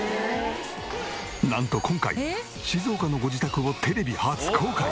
なんと今回静岡のご自宅をテレビ初公開！